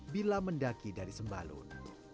bila mendaki dari sembalun